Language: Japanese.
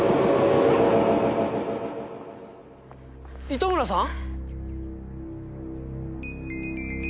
糸村さん？